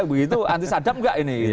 begitu antisadap gak ini